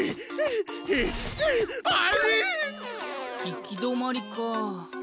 いきどまりかあ。